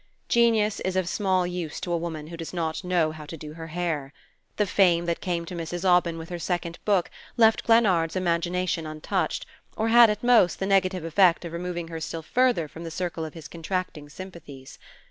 Genius is of small use to a woman who does not know how to do her hair. The fame that came to Mrs. Aubyn with her second book left Glennard's imagination untouched, or had at most the negative effect of removing her still farther from the circle of his contracting sympathies.